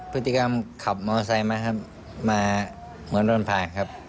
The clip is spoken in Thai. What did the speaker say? พฤติกรรมขับมอเมอร์ไซค์มาเหมือนต้นผ่านครับ